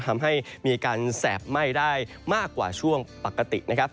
ทำให้มีการแสบไหม้ได้มากกว่าช่วงปกตินะครับ